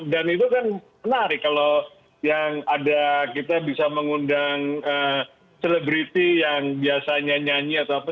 dan itu kan menarik kalau yang ada kita bisa mengundang selebriti yang biasanya nyanyi atau apa